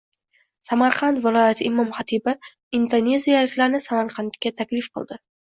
Samarqand viloyati imom-xatibi indoneziyaliklarni Samarqandga taklif qildi